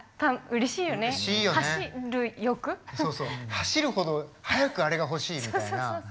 走るほど早くあれが欲しい！みたいな。